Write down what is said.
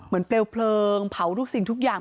เปลวเพลิงเผาทุกสิ่งทุกอย่าง